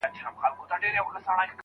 قصیده نه یم مثنوي نه یم غزل نه یمه